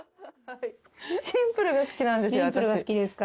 シンプルが好きですか。